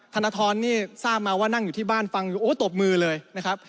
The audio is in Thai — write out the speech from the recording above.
ธนทรนี่ทราบมาว่านั่งอยู่ที่บ้านฟังอยู่โอ้ตบมือเลยนะครับ